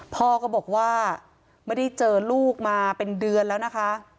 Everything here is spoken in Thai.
พ่อก็บอกว่าไม่ได้เจอลูกมาเป็นเดือนแล้วนะคะ